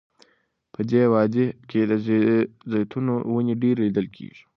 په دې وادۍ کې د زیتونو ونې ډیرې لیدل کیږي.